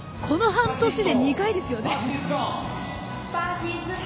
この半年で２回ですよね。